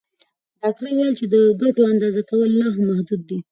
ډاکټره وویل چې د ګټو اندازه کول لا هم محدود دي.